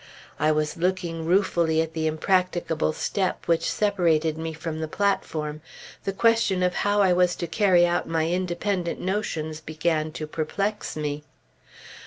I was looking ruefully at the impracticable step which separated me from the platform. The question of how I was to carry out my independent notions began to perplex me.